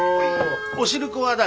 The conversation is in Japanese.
お汁粉は誰？